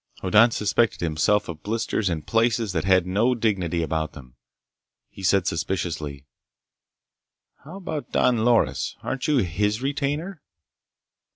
Hoddan suspected himself of blisters in places that had no dignity about them. He said suspiciously: "How about Don Loris? Aren't you his retainer?"